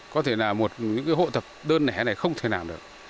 có thể là một những hộ tập đơn lẻ này không thể làm được